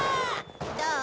どう？